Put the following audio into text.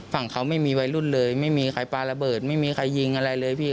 ฝั่งเขาไม่มีวัยรุ่นเลยไม่มีใครปลาระเบิดไม่มีใครยิงอะไรเลยพี่